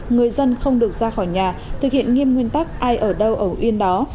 người dân không được ra khỏi nhà thực hiện nghiêm nguyên tắc ai ở đâu ở yên đó